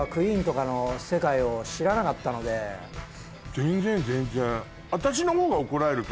全然全然。